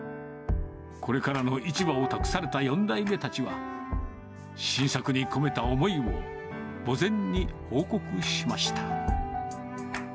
これからの市場を託された４代目たちは、新作に込めた思いを、墓前に報告しました。